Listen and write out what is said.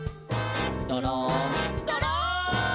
「どろんどろん」